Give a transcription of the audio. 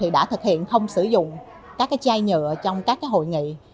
đã thực hiện không sử dụng các chai nhựa trong các hội nghị